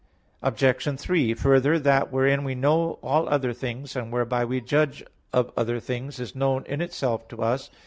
Obj. 3: Further, that wherein we know all other things, and whereby we judge of other things, is known in itself to us.